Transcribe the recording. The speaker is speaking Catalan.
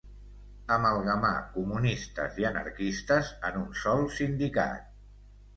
Amalgamar comunistes i anarquistes en un sol sindicat.